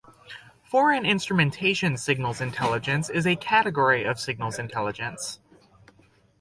Foreign instrumentation signals intelligence is a category of signals intelligence.